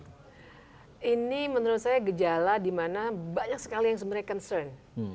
ini menurut saya gejala dimana banyak sekali yang sebenarnya concern